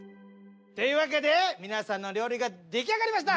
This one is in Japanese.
というわけで皆さんの料理が出来上がりました。